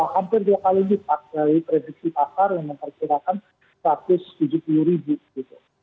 hampir dua kali lipat dari prediksi pasar yang memperkirakan satu ratus tujuh puluh ribu gitu